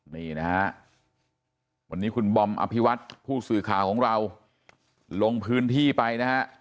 นี่นะฮะวันนี้คุณบอมอภิวัตผู้สื่อข่าวของเราลงพื้นที่ไปนะฮะ